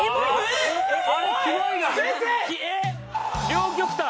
両極端。